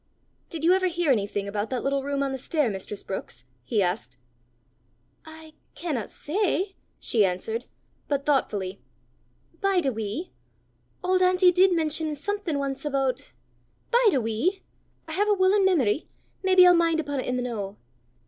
"Did you ever hear anything about that little room on the stair, mistress Brookes?" he asked. "I canna say," she answered but thoughtfully, " Bide a wee: auld auntie did mention something ance aboot bide a wee I hae a wullin' memory maybe I'll min' upo' 't i' the noo!